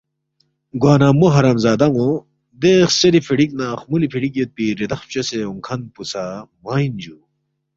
گوانہ مو حرام زادان٘و دے خسیری فِڑِک نہ خمُولی فِڑِک یودپی ریدخ فچوسے اونگ کھن پو سہ موانگ اِن جُو